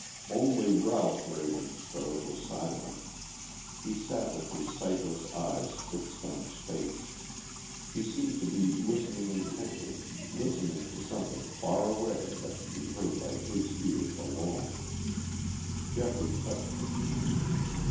Only Ralph Ravenspur was silent. He sat with his sightless eyes fixed on space; he seemed to be listening intently, listening to something far away that could be heard by his ears alone. Geoffrey touched him.